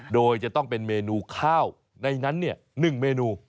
โดยจะต้องเป็นเมนูข้าวในนั้น๑เมนู